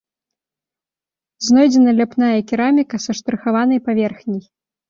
Знойдзена ляпная кераміка са штрыхаванай паверхняй.